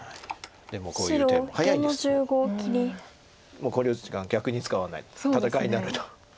もう考慮時間逆に使わない戦いになると。